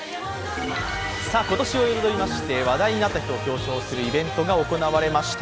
今年を彩りまして、話題になった人を表彰するイベントが行われました。